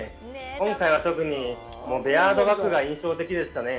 今回は特にベアードバクが印象的でしたね。